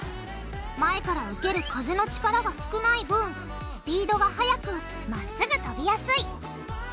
前から受ける風の力が少ない分スピードが速く真っ直ぐ飛びやすい。